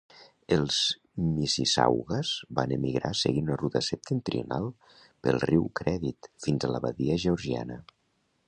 Els Mississaugas van emigrar seguint una ruta septentrional pel riu Credit, fins a la badia Georgiana.